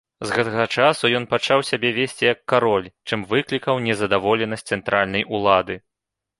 З гэтага часу ён пачаў сябе весці як кароль, чым выклікаў незадаволенасць цэнтральнай улады.